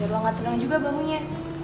biar lo gak tegang juga bangunya